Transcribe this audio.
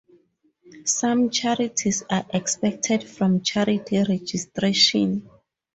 Some charities are 'excepted' from charity registration.